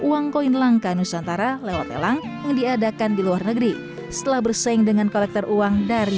uang koin langka nusantara lewat lelang yang diadakan di luar negeri setelah bersaing dengan kolektor uang dari